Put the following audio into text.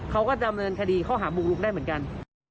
เขาก็ดำเนินคดีข้อหาบุกลุกได้เหมือนกัน